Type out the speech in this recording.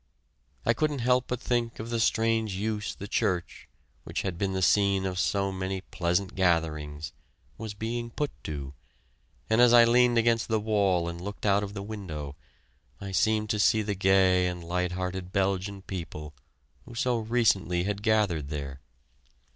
I couldn't help but think of the strange use the church which had been the scene of so many pleasant gatherings was being put to, and as I leaned against the wall and looked out of the window, I seemed to see the gay and light hearted Belgian people who so recently had gathered there.